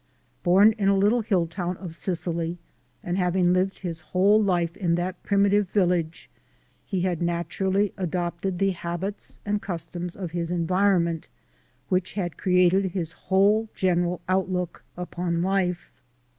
Born in a little hill town of Sicily and having lived his whole life in that primitive village, he had naturally adopted the habits and customs of his environment, which had created his whole general outlook upon life.